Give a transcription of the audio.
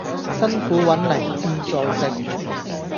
辛苦搵嚟志在食